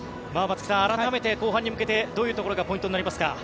松木さん、改めて後半に向けてどういうところがポイントになりますか。